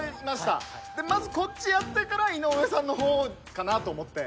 まずこっちやってから井上さんの方かなと思って。